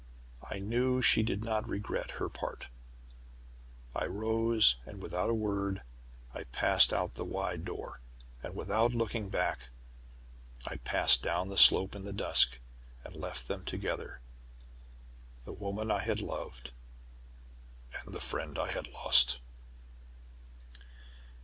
I knew she did not regret her part! I rose, and, without a word, I passed out at the wide door, and, without looking back, I passed down the slope in the dusk, and left them together the woman I had loved, and the friend I had lost!